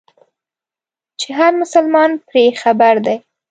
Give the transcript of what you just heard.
چې هر مسلمان پرې خبر دی.